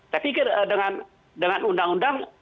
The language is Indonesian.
tapi dengan undang undang